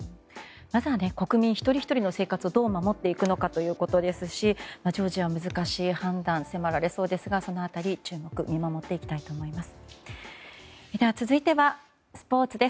まずは国民一人ひとりの生活をどう守っていくのかということですしジョージアは難しい判断が迫られそうですがその辺り見守っていきたいと思います。